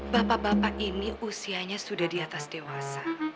bapak bapak ini usianya sudah di atas dewasa